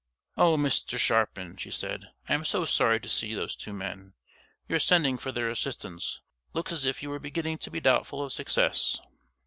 "Oh, Mr. Sharpin!" she said, "I am so sorry to see those two men! Your sending for their assistance looks as if you were beginning to be doubtful of success."